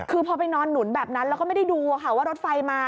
คือพอไปนอนหนุนแบบนั้นแล้วก็ไม่ได้ดูว่ารถไฟมา